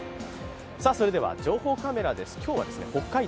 それでは情報カメラです。